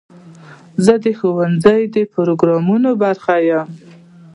زه د ښوونځي د پروګرامونو برخه یم.